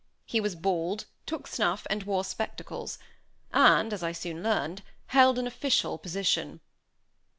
He was bald, took snuff, and wore spectacles; and, as I soon learned, held an official position.